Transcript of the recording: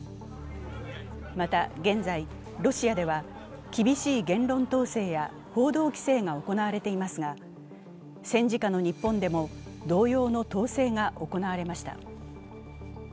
また、現在、ロシアでは厳しい言論統制や報道規制が行われていますが戦時下の日本でも同様の統制が行われました。